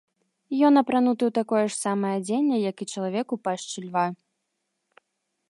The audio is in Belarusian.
Ён апрануты ў такое ж самае адзенне, як і чалавек у пашчы льва.